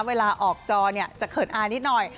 เวลาออกจอเนี่ยจะเขินอายนิดหน่อย